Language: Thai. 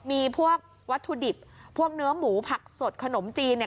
มีพวกวัตถุดิบพวกเนื้อหมูผักสดขนมจีนเนี่ย